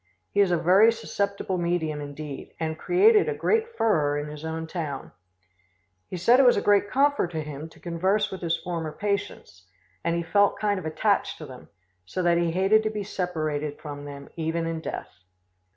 He is a very susceptible medium indeed, and created a great furore in his own town. He said it was a great comfort to him to converse with his former patients, and he felt kind of attached to them, so that he hated to be separated from them, even in death.